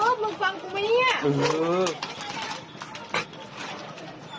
บอสไอ้บอสมึงฟังกันไหมเนี่ย